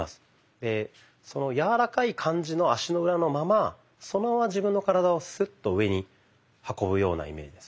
でその柔らかい感じの足の裏のままそのまま自分の体をスッと上に運ぶようなイメージです。